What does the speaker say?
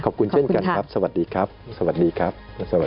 ขอบคุณเช่นกันครับสวัสดีครับ